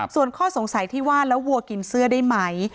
ส่วนข้อสงสัยที่ว่าแล้ววัวกินเสื้อได้ไหม